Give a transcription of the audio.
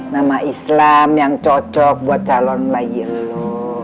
nama islam yang cocok buat calon bayi lu